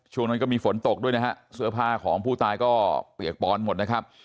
ช่วงนั้นก็มีฝนตกด้วยนะฮะเสื้อผ้าของผู้ตายก็เปียกปอนหมดนะครับ